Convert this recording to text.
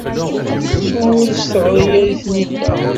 Tettu ur as-teɣri ara i Taninna.